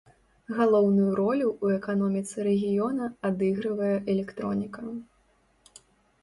Галоўную ролю ў эканоміцы рэгіёна адыгрывае электроніка.